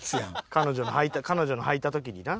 彼女のはいた彼女のはいた時にな。